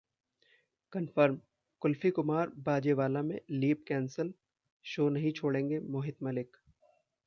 confirm: Kulfi Kumar Bajewala में leap cancel, show नहीं छोड़ेंगे मोहित मलिक